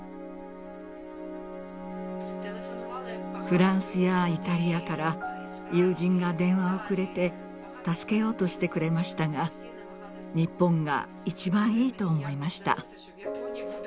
フランスやイタリアから友人が電話をくれて助けようとしてくれましたが日本が一番いいと思いました。